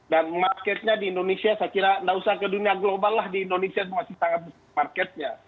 marketnya di indonesia saya kira nggak usah ke dunia global lah di indonesia masih sangat besar marketnya